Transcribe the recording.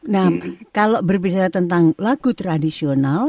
nah kalau berbicara tentang lagu tradisional